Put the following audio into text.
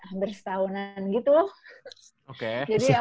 hampir setahunan gitu loh